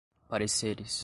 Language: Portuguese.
pareceres